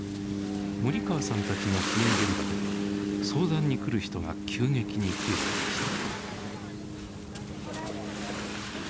森川さんたちの支援現場では相談に来る人が急激に増えていました。